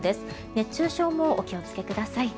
熱中症もお気をつけください。